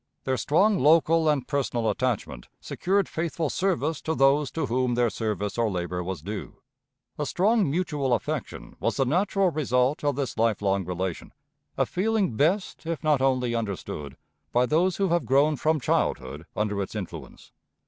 Their strong local and personal attachment secured faithful service to those to whom their service or labor was due. A strong mutual affection was the natural result of this life long relation, a feeling best if not only understood by those who have grown from childhood under its influence.